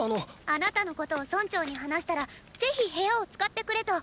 あなたのことを村長に話したらぜひ部屋を使ってくれと。